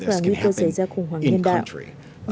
và nguy cơ xảy ra khủng hoảng hiện đại